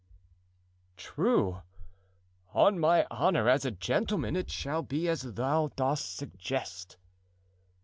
"True, on my honor as a gentleman it shall be as thou dost suggest."